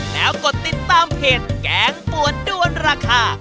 แล้วกดติดตามเพจแกงปวดด้วนราคา